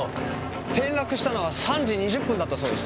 転落したのは３時２０分だったそうです。